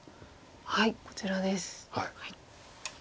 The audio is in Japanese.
はいこちらです。